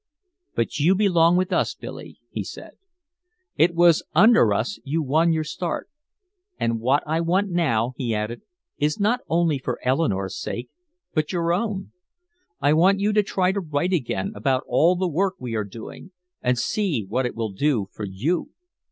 "But you belong with us, Billy," he said. "It was under us you won your start. And what I want now," he added, "is not only for Eleanore's sake, but your own. I want you to try to write again about all the work we are doing and see what it will do for you.